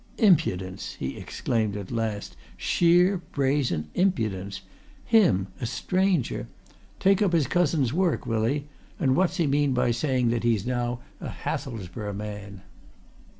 "Impudence!" he exclaimed at last. "Sheer brazen impudence! Him a stranger! Take up his cousin's work, will he? And what's he mean by saying that he's now a Hathelsborough man?"